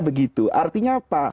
begitu artinya apa